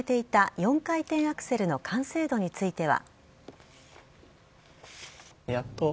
４回転アクセルの完成度については。